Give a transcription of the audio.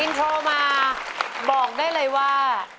อินโทรมาบอกได้เลยว่า